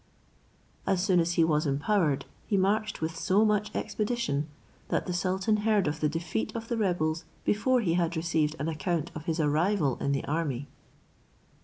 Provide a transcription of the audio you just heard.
As soon as he was empowered, he marched with so much expedition, that the sultan heard of the defeat of the rebels before he had received an account of his arrival in the army.